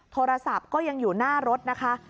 โทรศัพท์ก็ยังอยู่หน้ารถนะคะ